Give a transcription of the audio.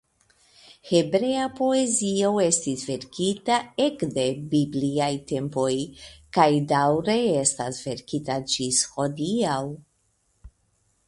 Hebrea poezio estis verkita ekde bibliaj tempoj kaj daŭre estas verkita ĝis hodiaŭ.